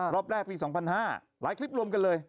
รอบแรกปี๒๐๐๕หลายคลิปรวมกันเลย